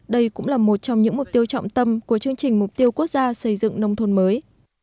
đây cũng là một trong những mục tiêu trọng tâm của chương trình mục tiêu quốc gia xây dựng nông thôn mới